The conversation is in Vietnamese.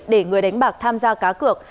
để người đánh bạc tham gia cá cược